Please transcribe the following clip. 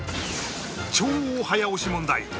超早押し問題！